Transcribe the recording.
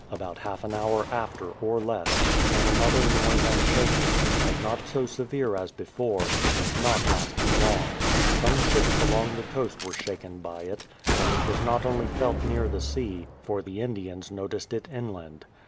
About half an hour after, or less, came another noise and shaking, but not so severe as before, and not lasting long. Some ships along the coast were shaken by it; but it was not only felt near the sea, for the Indians noticed it inland.